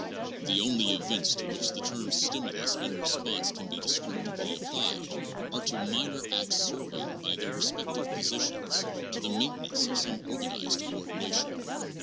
The only events to which the terms stimulus and response can be descriptively applied are to 37° JOHN DEWEY. minor acts serving by their respective positions to the main tenance of some organized coordination.